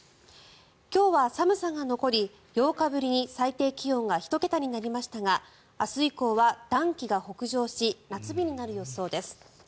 今日は寒さが残り８日ぶりに最低気温が１桁になりましたが明日以降は暖気が北上し夏日になる予想です。